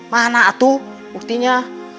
mana itu buktinya